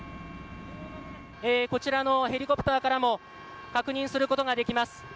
こちらのヘリコプターからも確認することができます。